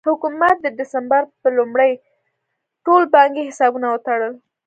حکومت د ډسمبر په لومړۍ ټول بانکي حسابونه وتړل.